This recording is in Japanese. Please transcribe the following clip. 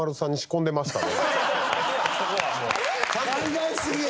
考えすぎや。